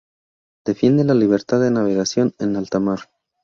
Defiende la libertad de navegación en alta mar.